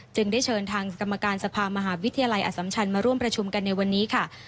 ได้เชิญทางกรรมการสภามหาวิทยาลัยอสัมชันมาร่วมประชุมกันในวันนี้ค่ะ